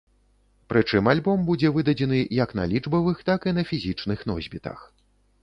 Прычым альбом будзе выдадзены як на лічбавых, так і на фізічных носьбітах.